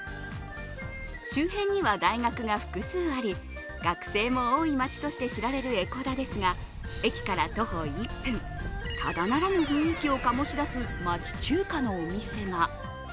周辺には大学が複数あり、学生も多い街として知られる江古田ですが駅から徒歩１分、ただならぬ雰囲気を醸し出す町中華のお店が。